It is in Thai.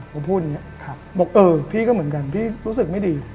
ผมพูดอย่างนี้บอกเออพี่ก็เหมือนกันพี่รู้สึกไม่ดี